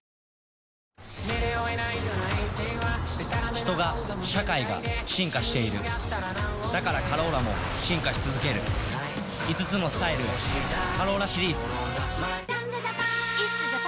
人が社会が進化しているだから「カローラ」も進化し続ける５つのスタイルへ「カローラ」シリーズ